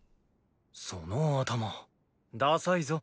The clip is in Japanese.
その頭ダサいぞ。